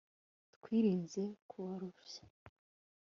twirinze kubarushya